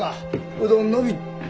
うどんのび。